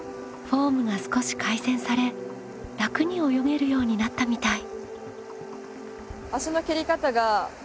フォームが少し改善され楽に泳げるようになったみたい。